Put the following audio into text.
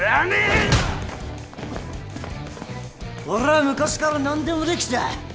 俺は昔から何でもできた。